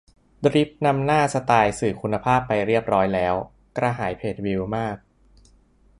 ดริฟต์นำหน้าสไตล์สื่อคุณภาพไปแล้วเรียบร้อย กระหายเพจวิวมาก